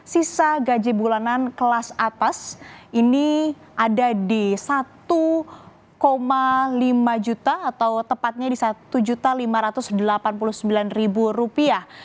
sisa gaji bulanan kelas atas ini ada di satu lima juta atau tepatnya di satu lima ratus delapan puluh sembilan rupiah